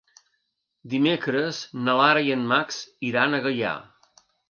Dimecres na Lara i en Max iran a Gaià.